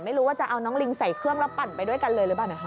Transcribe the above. ไม่รู้ว่าจะเอาน้องลิงใส่เครื่องแล้วปั่นไปด้วยกันเลยหรือเปล่านะคะ